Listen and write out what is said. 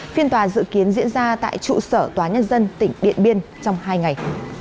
phiên tòa dự kiến diễn ra tại trụ sở tòa nhân dân tỉnh điện biên trong hai ngày